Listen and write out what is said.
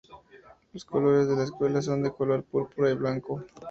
Los colores de la escuela son de color púrpura y blanco.